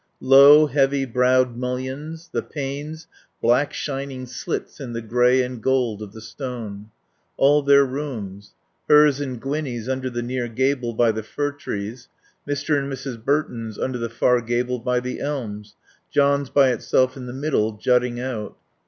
Low heavy browed mullions; the panes, black shining slits in the grey and gold of the stone. All their rooms. Hers and Gwinnie's under the near gable by the fir trees, Mr. and Mrs. Burton's under the far gable by the elms, John's by itself in the middle, jutting out.